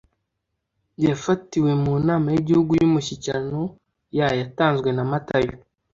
yafatiwe mu nama y igihugu y umushyikirano ya yatanzwe na matayo